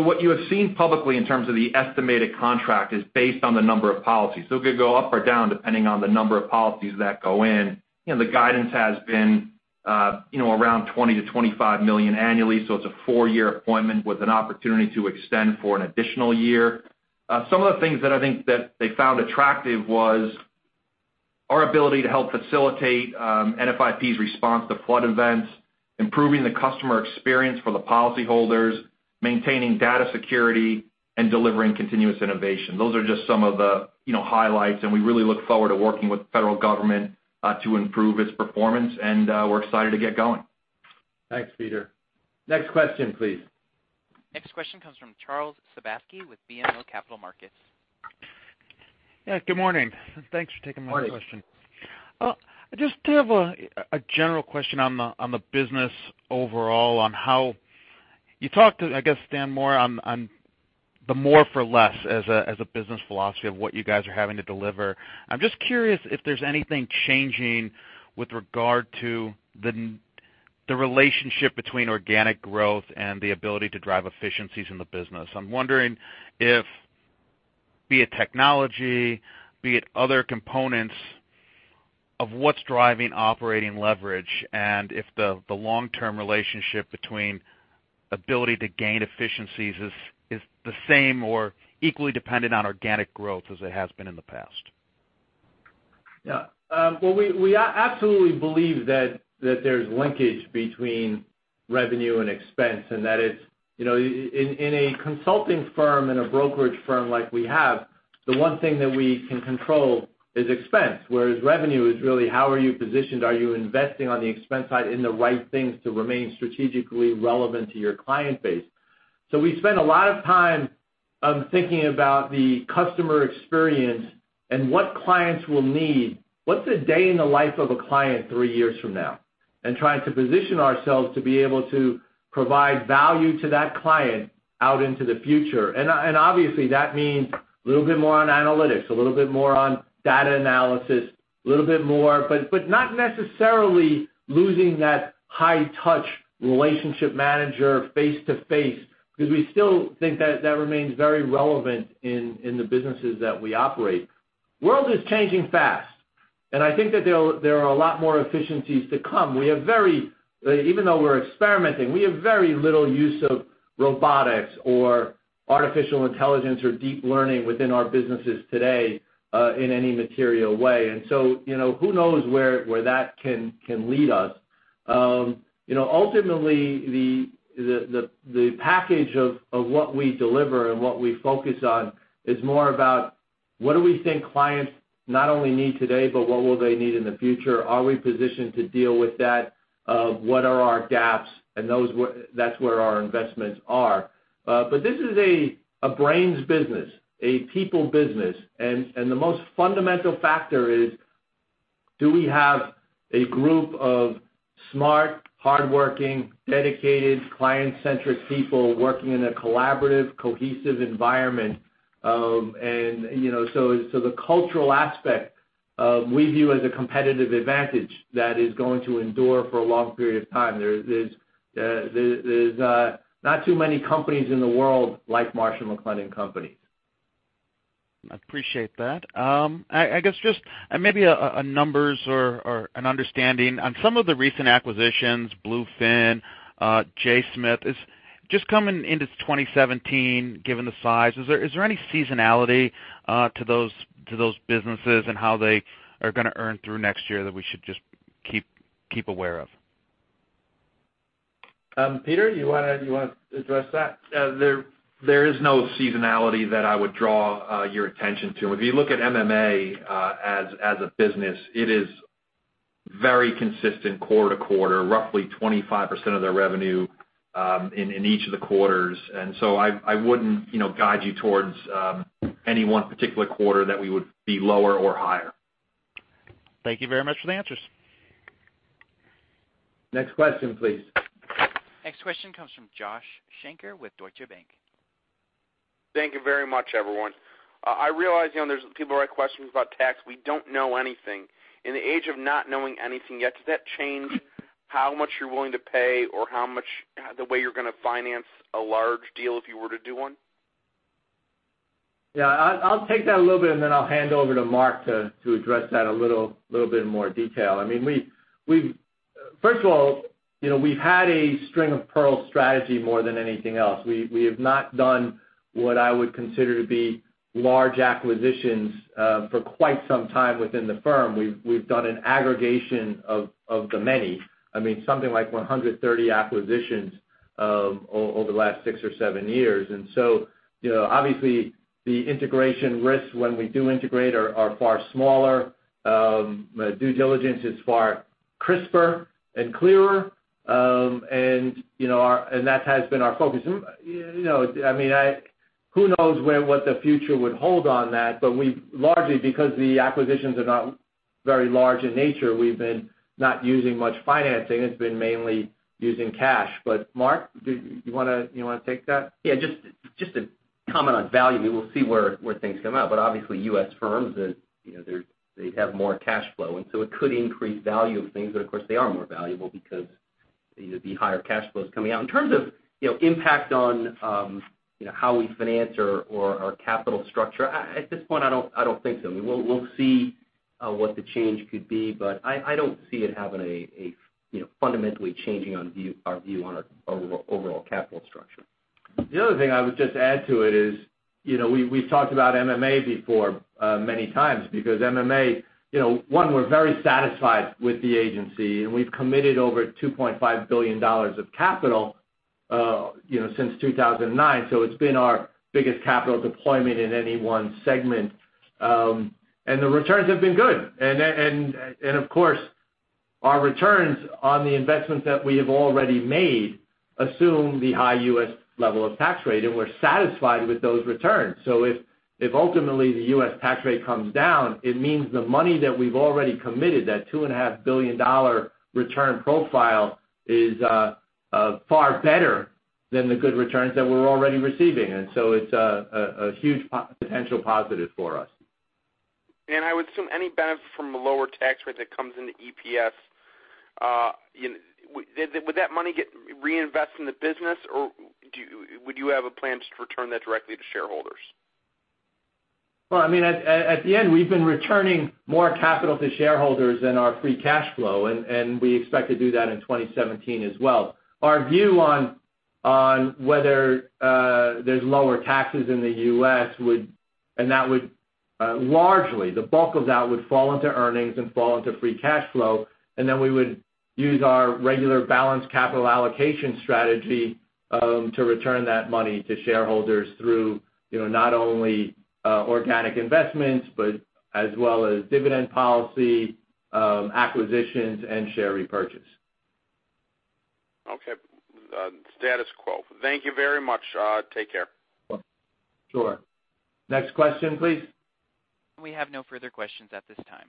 What you have seen publicly in terms of the estimated contract is based on the number of policies. It could go up or down depending on the number of policies that go in. The guidance has been around $20 million-$25 million annually, so it's a four-year appointment with an opportunity to extend for an additional year. Some of the things that I think that they found attractive was our ability to help facilitate NFIP's response to flood events, improving the customer experience for the policyholders, maintaining data security and delivering continuous innovation. Those are just some of the highlights, we really look forward to working with the federal government, to improve its performance. We're excited to get going.
Thanks, Peter. Next question, please.
Next question comes from Charles Sebaski with BMO Capital Markets.
Yeah, good morning. Thanks for taking my question.
Morning.
I just have a general question on the business overall on how you talked to, I guess, Dan, more on the more for less as a business philosophy of what you guys are having to deliver. I'm just curious if there's anything changing with regard to the relationship between organic growth and the ability to drive efficiencies in the business. I'm wondering if be it technology, be it other components of what's driving operating leverage. If the long-term relationship between ability to gain efficiencies is the same or equally dependent on organic growth as it has been in the past.
Yeah. We absolutely believe that there's linkage between revenue and expense. That is, in a consulting firm, in a brokerage firm like we have, the one thing that we can control is expense. Whereas revenue is really how are you positioned? Are you investing on the expense side in the right things to remain strategically relevant to your client base? We spend a lot of time on thinking about the customer experience and what clients will need, what's a day in the life of a client three years from now? Trying to position ourselves to be able to provide value to that client out into the future. Obviously, that means a little bit more on analytics, a little bit more on data analysis, a little bit more, but not necessarily losing that high touch relationship manager face-to-face, because we still think that remains very relevant in the businesses that we operate. World is changing fast, and I think that there are a lot more efficiencies to come. Even though we're experimenting, we have very little use of robotics or artificial intelligence or deep learning within our businesses today, in any material way. Who knows where that can lead us. Ultimately, the package of what we deliver and what we focus on is more about what do we think clients not only need today, but what will they need in the future? Are we positioned to deal with that? What are our gaps? That's where our investments are. This is a brains business, a people business. The most fundamental factor is, do we have a group of smart, hardworking, dedicated, client-centric people working in a collaborative, cohesive environment? The cultural aspect we view as a competitive advantage that is going to endure for a long period of time. There's not too many companies in the world like Marsh & McLennan Companies.
I appreciate that. I guess just maybe a numbers or an understanding on some of the recent acquisitions, Bluefin, J. Smith. Just coming into 2017, given the size, is there any seasonality to those businesses and how they are going to earn through next year that we should just keep aware of?
Peter, you want to address that?
There is no seasonality that I would draw your attention to. If you look at MMA as a business, it is very consistent quarter to quarter, roughly 25% of their revenue in each of the quarters. I wouldn't guide you towards any one particular quarter that we would be lower or higher.
Thank you very much for the answers.
Next question, please.
Next question comes from Josh Shanker with Deutsche Bank.
Thank you very much, everyone. I realize there's people who have questions about tax. We don't know anything. In the age of not knowing anything yet, does that change how much you're willing to pay or how the way you're going to finance a large deal if you were to do one?
I'll take that a little bit, and then I'll hand over to Mark to address that in a little bit more detail. First of all, we've had a string-of-pearls strategy more than anything else. We have not done what I would consider to be large acquisitions for quite some time within the firm. We've done an aggregation of the many. Something like 130 acquisitions over the last six or seven years. Obviously the integration risks when we do integrate are far smaller. Due diligence is far crisper and clearer. That has been our focus. Who knows what the future would hold on that, but we largely, because the acquisitions are not very large in nature. We've been not using much financing. It's been mainly using cash. Mark, do you want to take that?
Just to comment on value, we will see where things come out. Obviously, U.S. firms, they have more cash flow, and so it could increase value of things. Of course, they are more valuable because of the higher cash flows coming out. In terms of impact on how we finance our capital structure, at this point, I don't think so. We'll see what the change could be, but I don't see it having a fundamentally changing our view on our overall capital structure.
The other thing I would just add to it is, we've talked about MMA before many times because MMA, one, we're very satisfied with the agency, and we've committed over $2.5 billion of capital since 2009. It's been our biggest capital deployment in any one segment. The returns have been good. Of course, our returns on the investments that we have already made assume the high U.S. level of tax rate, and we're satisfied with those returns. If ultimately the U.S. tax rate comes down, it means the money that we've already committed, that $2.5 billion return profile, is far better than the good returns that we're already receiving. It's a huge potential positive for us.
I would assume any benefit from the lower tax rate that comes into EPS, would that money get reinvested in the business, or would you have a plan to return that directly to shareholders?
At the end, we've been returning more capital to shareholders than our free cash flow, and we expect to do that in 2017 as well. Our view on whether there's lower taxes in the U.S., and that would largely, the bulk of that would fall into earnings and fall into free cash flow, and then we would use our regular balanced capital allocation strategy to return that money to shareholders through not only organic investments, but as well as dividend policy, acquisitions, and share repurchase.
Okay. Status quo. Thank you very much. Take care.
Sure. Next question, please.
We have no further questions at this time.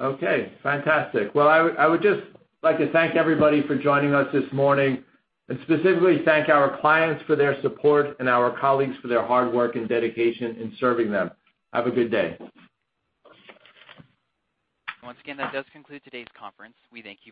Okay, fantastic. Well, I would just like to thank everybody for joining us this morning, and specifically thank our clients for their support and our colleagues for their hard work and dedication in serving them. Have a good day.
Once again, that does conclude today's conference. We thank you.